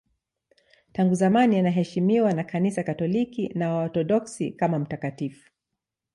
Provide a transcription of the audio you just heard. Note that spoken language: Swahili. Tangu zamani anaheshimiwa na Kanisa Katoliki na Waorthodoksi kama mtakatifu.